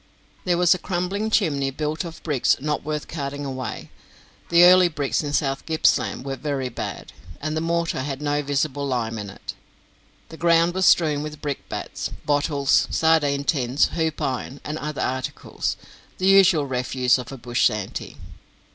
There was a crumbling chimney built of bricks not worth carting away the early bricks in South Gippsland were very bad, and the mortar had no visible lime in it the ground was strewn with brick bats, bottles, sardine tins, hoop iron, and other articles, the usual refuse of a bush shanty.